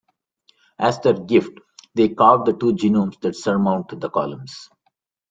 As their gift, they carved the two gnomes that surmount the columns.